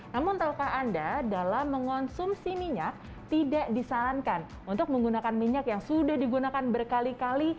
namun tahukah anda dalam mengonsumsi minyak tidak disarankan untuk menggunakan minyak yang sudah digunakan berkali kali